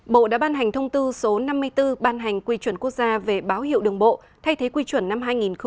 bộ đã ban hành thông tư số năm mươi bốn ban hành quy chuẩn quốc gia về báo hiệu đường bộ thay thế quy chuẩn năm hai nghìn một mươi chín